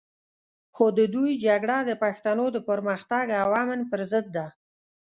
خو د دوی جګړه د پښتنو د پرمختګ او امن پر ضد ده.